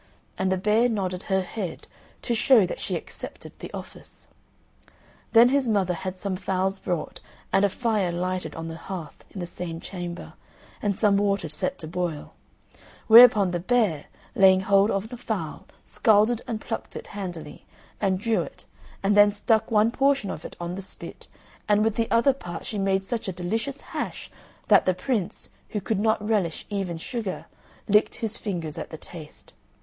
and the bear nodded her head, to show that she accepted the office. Then his mother had some fowls brought, and a fire lighted on the hearth in the same chamber, and some water set to boil; whereupon the bear, laying hold on a fowl, scalded and plucked it handily, and drew it, and then stuck one portion of it on the spit, and with the other part she made such a delicious hash that the Prince, who could not relish even sugar, licked his fingers at the taste.